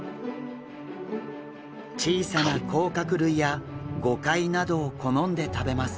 小さな甲殻類やゴカイなどを好んで食べます。